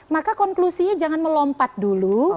maka konklusinya jangan melompat dulu